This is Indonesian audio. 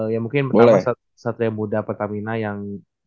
ya mungkin menambah satria muda pertamina yang